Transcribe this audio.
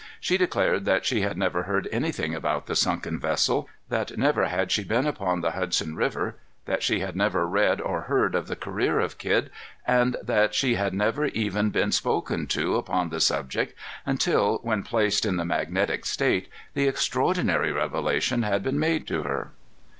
She declared that she had never heard anything about the sunken vessel; that never had she been upon the Hudson River; that she had never read or heard of the career of Kidd; and that she had never even been spoken to upon the subject, until, when placed in the magnetic state, the extraordinary revelation had been made to her.